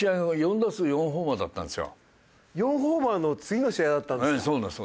４ホーマーの次の試合だったんですか。